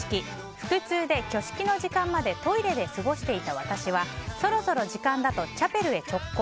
腹痛で挙式の時間までトイレで過ごしていた私はそろそろ時間だとチャペルへ直行。